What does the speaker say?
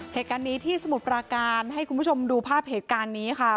เหตุการณ์นี้ที่สมุทรปราการให้คุณผู้ชมดูภาพเหตุการณ์นี้ค่ะ